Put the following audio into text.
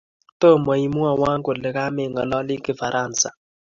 tomo imwowo kole ka me ng'alali Kifaransa